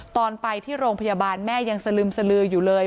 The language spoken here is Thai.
ตอนไปที่โรงพยาบาลแม่ยังสลึมสลืออยู่เลย